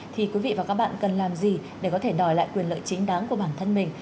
thì quý vị và các bạn cần làm gì để có thể đòi lại quyền lợi chính đáng của bản thân mình